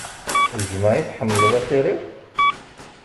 Gma i tḥemmleḍ axir-iw?